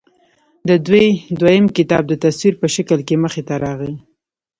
د دوي دويم کتاب د تصوير پۀ شکل کښې مخې ته راغے